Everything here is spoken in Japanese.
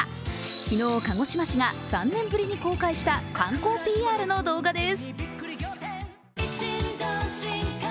昨日、鹿児島市が３年ぶりに公開した観光ＰＲの動画です。